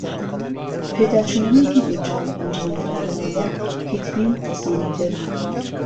ـپێداچوونەوەیەکی گونجاو ئەنجامدرا لەلایەن هیتبی و کەسانی تر.